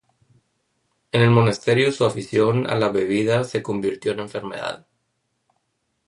En el monasterio su afición a la bebida se convirtió en enfermedad.